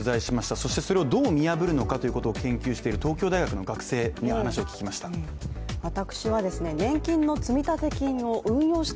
そしてそれをどう見破るのかを研究している東京大学の学生に話を聞きました。